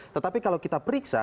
tetapi kalau kita periksa